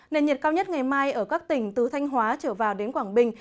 nền nhiệt cao nhất ngày mai ở các tỉnh từ thanh hóa trở vào đến quảng bình